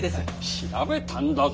調べたんだぞ！